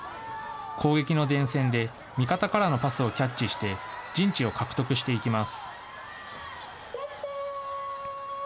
攻撃の前線で味方からのパスをキャッチして、陣地を獲得していきます。